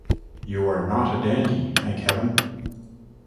You are not a dandy, thank Heaven!